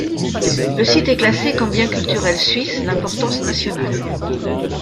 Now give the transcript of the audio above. Le site est classé comme bien culturel suisse d'importance nationale.